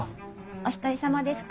お一人様ですか？